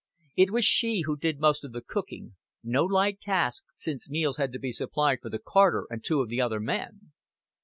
It was she who did most of the cooking, no light task since meals had to be supplied for the carter and two of the other men.